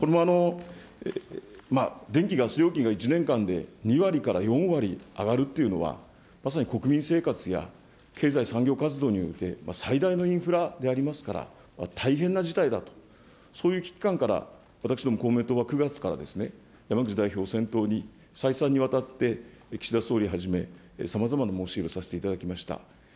電気・ガス料金が１年間で２割から４割上がるっていうのは、まさに国民生活や経済産業活動において最大のインフラでありますから、大変な事態だと、そういう危機感から、私ども公明党は９月から、山口代表を先頭に、再三にわたって、岸田総理はじめ、さまざまな申し入れをさせていただきました。